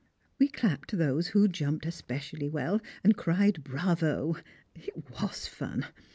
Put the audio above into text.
We clapped those who jumped especially well, and cried "Bravo!" It was fun.